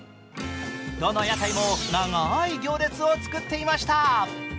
どの屋台も長い行列を作っていました。